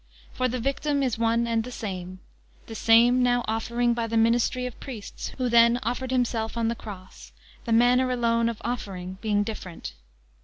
For the victim is one and the same, the same now offering by the ministry of priests, who then offered Himself on the cross, the manner alone of offering being different.